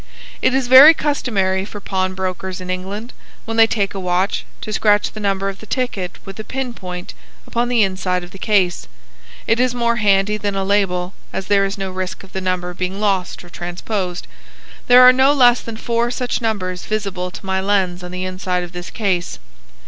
"It is very customary for pawnbrokers in England, when they take a watch, to scratch the number of the ticket with a pin point upon the inside of the case. It is more handy than a label, as there is no risk of the number being lost or transposed. There are no less than four such numbers visible to my lens on the inside of this case.